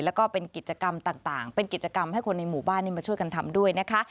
แล้วก็เป็นกิจกรรมต่างเป็นกิจกรรมให้คนในหมู่บ้านมาช่วยกันทำด้วยนะคะ